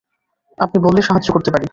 আপনি বললে সাহায্য করতে পারি।